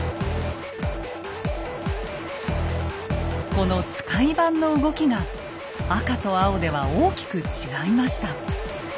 この使番の動きが赤と青では大きく違いました。